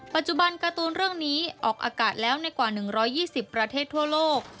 ปัจจุบันการ์ตูนเรื่องนี้ออกอากาศแล้วในกว่า๑๒๐ประเทศทั่วโลก